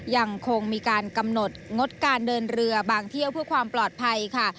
ยังคงมีการกำหนดงดการเดินเรือบางเที่ยวเพื่อความปลอดภัยค่ะ